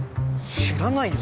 知らないよ